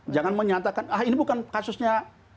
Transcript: jangan menyatakan ah ini bukan kasusnya